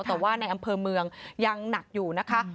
แต่ว่าในอำเภอเมืองยังหนักอยู่นะคะ